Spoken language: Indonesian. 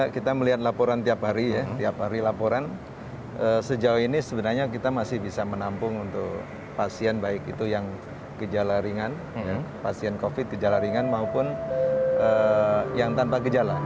kita melihat laporan tiap hari sejauh ini sebenarnya kita masih bisa menampung untuk pasien baik itu yang kejala ringan pasien covid kejala ringan maupun yang tanpa kejala